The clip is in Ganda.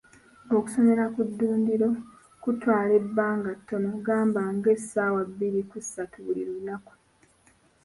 Okusomera ku ddundiro kutwala ebbanga ttono gamba nga essaawa bbiri ku ssatu buli lunaku.